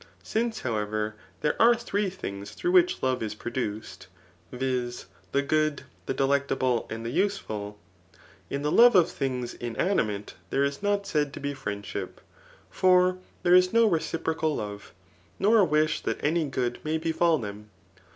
Since, however, there are three things through which love is produced, [viz. the good, the delectable, and the useful,]] in the love of things in animate there is not said to be friendship ; for there is no reciprocal love, nor a wish that any good may befal them.